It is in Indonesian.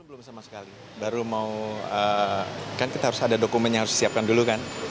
belum sama sekali baru mau kan kita harus ada dokumen yang harus disiapkan dulu kan